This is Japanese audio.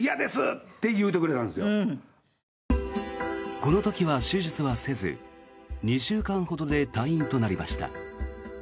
この時は手術はせず２週間ほどで退院となりました。